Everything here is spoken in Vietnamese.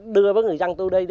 đưa với người dân tôi đây